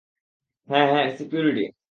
হ্যাঁ, হ্যাঁ, সিকিউরিটি।